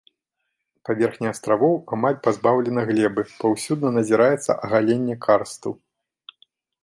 Паверхня астравоў амаль пазбаўлена глебы, паўсюдна назіраецца агаленне карсту.